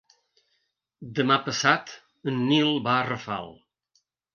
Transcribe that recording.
Demà passat en Nil va a Rafal.